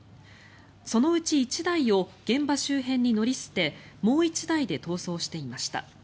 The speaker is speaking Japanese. そのうち１台を現場周辺に乗り捨てもう１台で逃走していました。